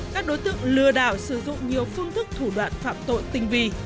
các đối tượng lừa đảo sử dụng nhiều phương thức thủ đoạn phạm tội tình vi